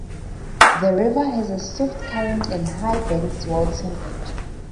The River has a swift current and High banks well timbered.